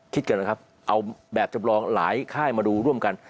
คิดกันนะครับเอาแบบจำลองหลายค่ายมาดูร่วมกัน